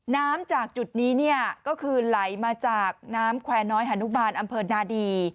น้ำจากจุดนี้เนี่ยก็คือไหลมาจากน้ำแควร์น้อยหานุบาลอำเภอนาดี